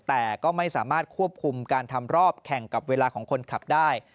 แต่ก็ไม่สามารถควบคุมการทำรอบแข่งกับเวลาของคนขับได้